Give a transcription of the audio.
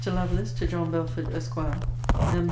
LOVELACE, TO JOHN BELFORD, ESQ. M.